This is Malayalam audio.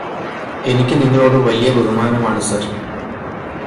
എനിക്കു നിങ്ങളോട് വലിയ ബഹുമാനമാണ് സര്